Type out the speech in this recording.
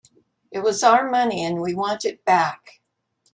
It was our money and we want it back.